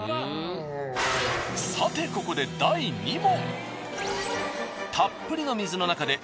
さてここで第２問！